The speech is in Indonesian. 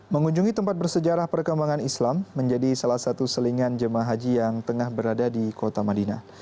mengunjungi tempat bersejarah perkembangan islam menjadi salah satu selingan jemaah haji yang tengah berada di kota madinah